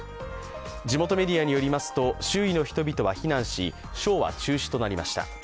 地元メディアによりますと周囲の人々は避難し、ショーは中止となりました。